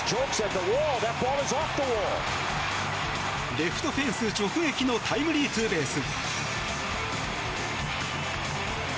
レフトフェンス直撃のタイムリーツーベース。